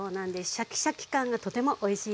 シャキシャキ感がとてもおいしいです。